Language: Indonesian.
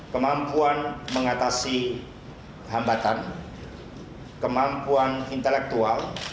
kemampuan mengatasi hambatan kemampuan intelektual